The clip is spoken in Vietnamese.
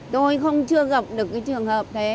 tôi không chưa gặp được cái trường hợp thế